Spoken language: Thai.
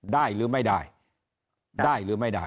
ได้หรือไม่ได้ได้หรือไม่ได้